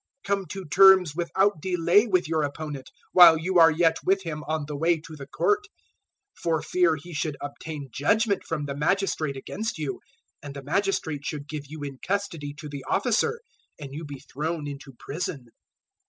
005:025 Come to terms without delay with your opponent while you are yet with him on the way to the court; for fear he should obtain judgement from the magistrate against you, and the magistrate should give you in custody to the officer and you be thrown into prison.